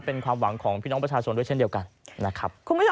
เป็นความหวังของพี่น้องประชาชนด้วยเช่นเดียวกันนะครับคุณผู้ชม